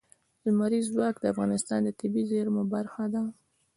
لمریز ځواک د افغانستان د طبیعي زیرمو برخه ده.